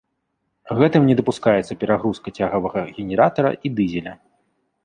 Гэтым не дапускаецца перагрузка цягавага генератара і дызеля.